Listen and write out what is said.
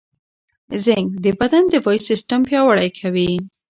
زېنک د بدن دفاعي سیستم پیاوړی کوي.